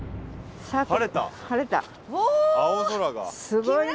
すごいね。